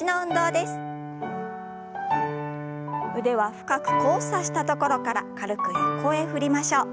腕は深く交差したところから軽く横へ振りましょう。